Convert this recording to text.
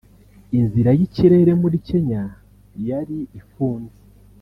inzira y’ikirere muri Kenya yari ifunze